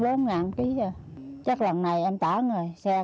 không bao giờ nghĩ luôn không bao giờ nghĩ luôn mà